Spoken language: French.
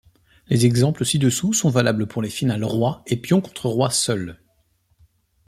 Les exemples ci-dessous sont valables pour les finales Roi et pion contre roi seul.